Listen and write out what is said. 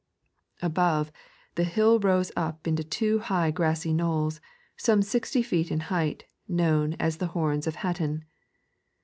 Above, the hill rose up into two high grassy knolls, some sixty feet in height, known as the Horns of Hattin.